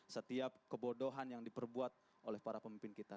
setiap kebodohan yang diperbuat oleh para pemimpin kita